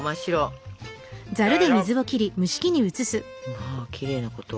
まきれいなこと。